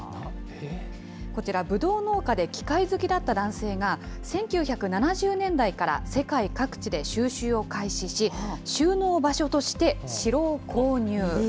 こちら、ブドウ農家で機械好きだった男性が、１９７０年代から世界各地で収集を開始し、収納場所として城を購入。